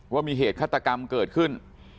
ว่ามีเหตุฆาตกรรมเกิดขึ้น